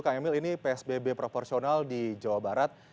kang emil ini psbb proporsional di jawa barat